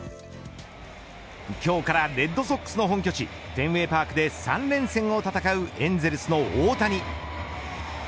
今日からレッドソックスの本拠地、フェンウェイパークで３連戦を戦うエンゼルスの大谷。